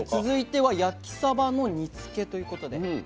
続いては焼きサバの煮つけということで。